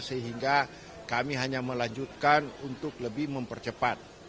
sehingga kami hanya melanjutkan untuk lebih mempercepat